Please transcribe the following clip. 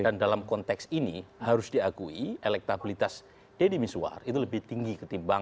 dan dalam konteks ini harus diakui elektabilitas deddy miswar itu lebih tinggi ketimbang